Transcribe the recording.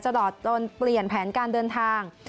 ตลอดจนเปลี่ยนแผนการเดินทาง